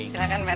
silahkan pak rt